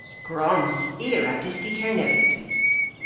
Gwrons. I a wra dyski Kernewek.